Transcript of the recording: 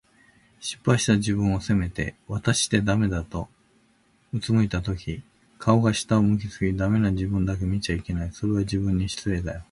失敗した自分を責めて、「わたしってダメだ」と俯いたとき、顔が下を向き過ぎて、“ダメ”な自分だけ見ちゃいけない。それは、自分に失礼だよ。